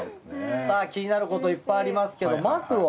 さあ気になることいっぱいありますけどまずは。